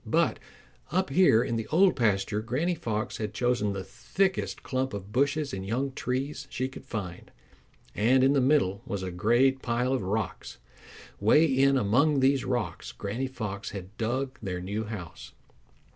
But up here in the Old Pasture Granny Fox had chosen the thickest clump of bushes and young trees she could find, and in the middle was a great pile of rocks. Way in among these rocks Granny Fox had dug their new house.